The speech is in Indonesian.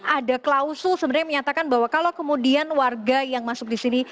ada klausul sebenarnya menyatakan bahwa kalau kemudian warga yang masuk di sini